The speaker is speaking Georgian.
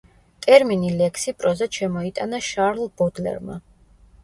ტერმინი ლექსი პროზად შემოიტანა შარლ ბოდლერმა.